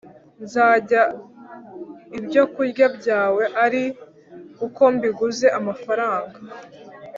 Nzarya ibyokurya byawe ari uko mbiguze amafaranga,